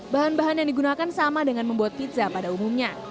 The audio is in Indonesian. bahan bahan yang digunakan sama dengan membuat pizza pada umumnya